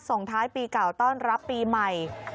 ส่งท้ายปีเก่าต้อนรับปีใหม่